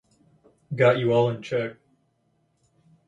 Got You All in Check.